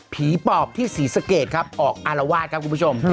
ปอบที่ศรีสะเกดครับออกอารวาสครับคุณผู้ชม